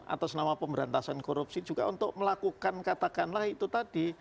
atas nama pemberantasan korupsi juga untuk melakukan katakanlah itu tadi